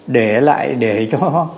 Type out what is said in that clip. để lại để cho